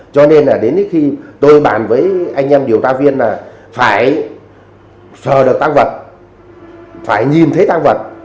đẩy nhanh tiến độ phá án